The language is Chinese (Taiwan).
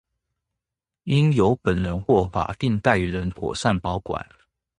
應由本人或法定代理人妥善保管